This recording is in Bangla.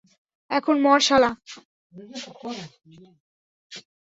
এখন মর শালা!